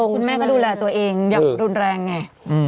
คุณแม่ก็ดูแลตัวเองอย่างรุนแรงไง